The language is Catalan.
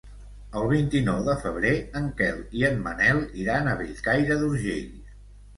El vint-i-nou de febrer en Quel i en Manel iran a Bellcaire d'Urgell.